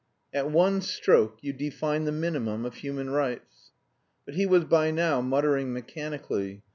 "At one stroke you define the minimum of human rights...." But he was by now muttering mechanically.